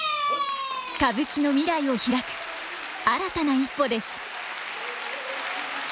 歌舞伎の未来を開く新たな一歩です。